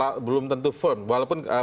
walaupun beberapa ya kalau kita lihat